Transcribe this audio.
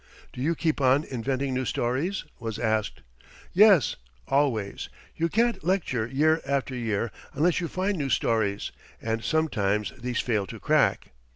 "Do you keep on inventing new stories?" was asked. "Yes, always. You can't lecture year after year unless you find new stories, and sometimes these fail to crack.